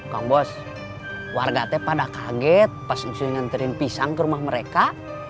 kang bos warga aku pada kaget pas saya ngantriin pisang ke rumah mereka